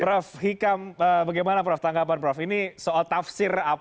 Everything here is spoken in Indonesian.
prof hikam bagaimana prof tanggapan prof ini soal tafsir